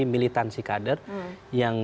militansi kader yang